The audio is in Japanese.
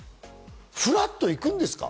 ふらっと行くんですか？